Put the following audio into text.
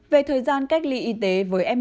về thời gian cách ly y tế với em bà